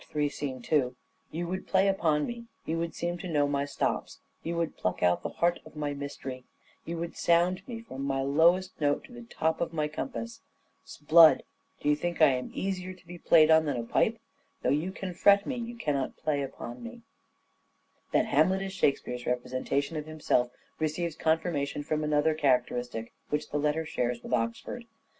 2). "You would play upon me ; you would seem to know my stops ; you would pluck out the heart of my mystery ; you would sound me from my lowest note to the top of my compass. 'S blood ! do you think I am easier to be 3° 466 " SHAKESPEARE " IDENTIFIED Comedy in tragedy. Hamlet's father and mother. played on than a pipe ? Though you can fret me, you cannot play upon me." That Hamlet is Shakespeare's representation of himself receives confirmation from another character istic which the latter shares with Oxford.